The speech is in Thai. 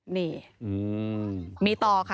นี่มีต่อค่ะ